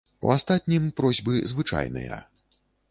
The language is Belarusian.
У астатнім просьбы звычайныя.